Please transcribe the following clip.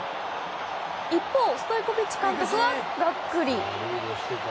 一方、ストイコビッチ監督はがっくり。